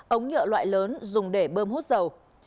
ống nhựa loại lớn dùng để bơm hút dầu